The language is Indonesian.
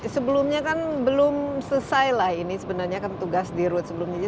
sebelumnya kan belum selesai lah ini sebenarnya kan tugas di rut sebelumnya